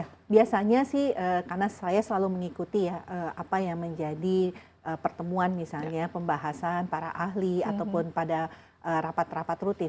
ya biasanya sih karena saya selalu mengikuti ya apa yang menjadi pertemuan misalnya pembahasan para ahli ataupun pada rapat rapat rutin